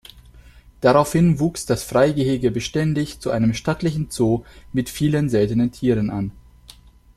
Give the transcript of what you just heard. Daraufhin wuchs das Freigehege beständig zu einem stattlichen Zoo mit vielen seltenen Tieren an.